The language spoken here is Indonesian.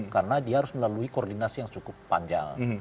karena dia harus melalui koordinasi yang cukup panjang